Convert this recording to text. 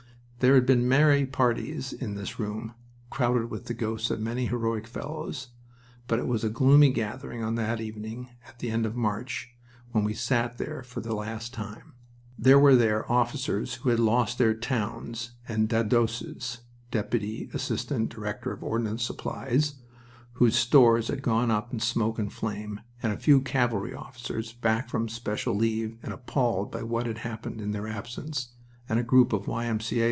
There had been merry parties in this room, crowded with the ghosts of many heroic fellows, but it was a gloomy gathering on that evening at the end of March when we sat there for the last time. There were there officers who had lost their towns, and "Dadoses" (Deputy Assistant Director of Ordnance Supplies) whose stores had gone up in smoke and flame, and a few cavalry officers back from special leave and appalled by what had happened in their absence, and a group of Y.M.C.A.